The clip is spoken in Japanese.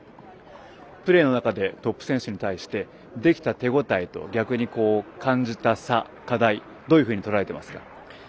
プレーの中でトップ選手に対してできた手応えと、逆に感じた差課題、どういうふうにとらえてますか？